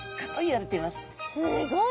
すごい！